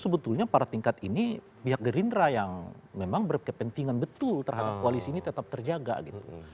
sebetulnya para tingkat ini pihak gerindra yang memang berkepentingan betul terhadap koalisi ini tetap terjaga gitu